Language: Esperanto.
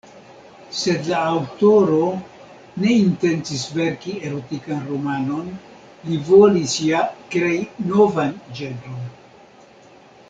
Sed la aŭtoro ne intencis verki erotikan romanon, li volis ja krei novan ĝenron.